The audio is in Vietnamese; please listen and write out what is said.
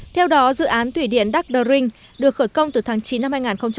theo đó dự án thủy điện đắc đơ rinh được khởi công từ tháng chín năm hai nghìn chín